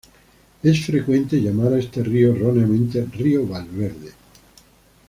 Es frecuente llamar a este río, erróneamente, río Valverde.